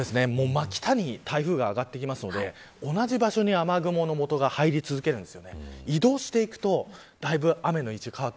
真北に台風が上がっていくので同じ場所に雨雲のもとが入り続けるんです。